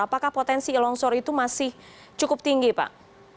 apakah potensi longsor itu masih cukup tinggi pak